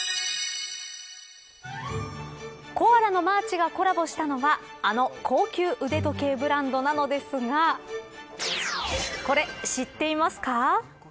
コアラのマーチがコラボしたのはあの高級腕時計ブランドなのですがこれ、知っていますか。